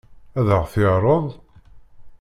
Ad ɣ-t-yeɛṛeḍ?